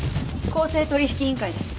公正取引委員会です。